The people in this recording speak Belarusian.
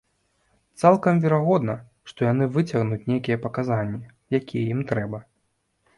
Цалкам верагодна, што яны выцягнуць нейкія паказанні, якія ім трэба.